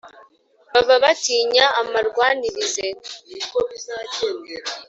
Baba batinya amarwanirize .